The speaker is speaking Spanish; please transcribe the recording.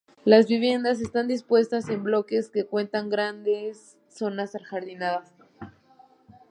Las viviendas estás dispuestas en bloques que cuentan con grandes zonas ajardinadas.